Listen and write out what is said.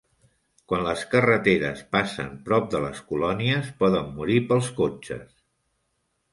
Quan les carreteres passen prop de les colònies, poden morir pels cotxes.